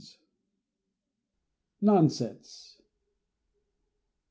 NONSENSE.